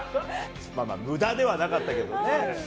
無駄ではなかったですけどね。